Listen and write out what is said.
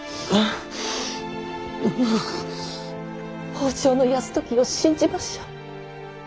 北条泰時を信じましょう。